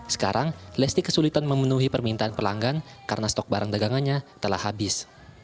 sekarang lesti kesulitan memenuhi permintaan pelanggan karena stok barang dagangannya telah habis